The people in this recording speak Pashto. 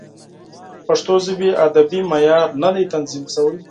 د پښتو ژبې ادبي معیار نه دی تنظیم شوی.